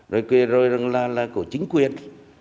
rồi là của chính quyền